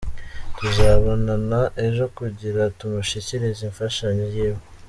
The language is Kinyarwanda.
Tuzobonana ejo kugira tumushikirize imfashanyo yiwe.